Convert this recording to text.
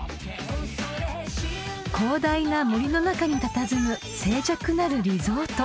［広大な森の中にたたずむ静寂なるリゾート］